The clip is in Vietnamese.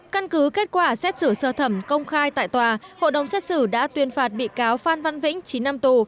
căn cứ kết quả xét xử sơ thẩm công khai tại tòa hội đồng xét xử đã tuyên phạt bị cáo phan văn vĩnh chín năm tù